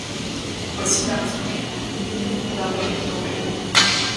Voir l'article: Mille carré doré.